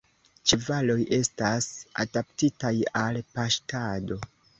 Ĉevaloj estas adaptitaj al paŝtado.